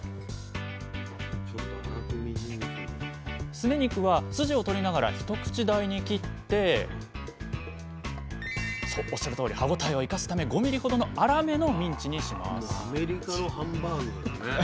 すね肉は筋を取りながら一口大に切って歯応えを生かすため５ｍｍほどの粗めのミンチにします